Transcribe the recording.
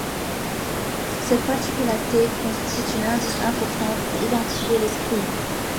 Cette particularité constitue un indice important pour identifier le scribe.